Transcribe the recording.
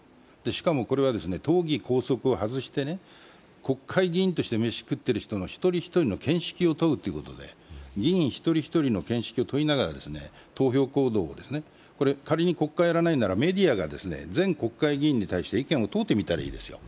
しかもこれは党議党則を外して、国会議員として飯を食ってる人の一人一人の見識を問うということで議員１人１人の見識を問いながら、投票行動をですね、仮に国会やらないなら、メディアが全国会議員に対して意見を問うてみたらいいですよ。